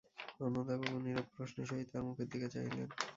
অন্নদাবাবু নীরব প্রশ্নের সহিত তাহার মুখের দিকে চাহিলেন।